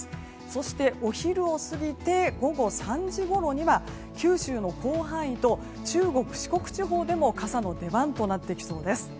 そして、お昼を過ぎて午後３時ごろには九州の広範囲と中国・四国地方でも傘の出番となってきそうです。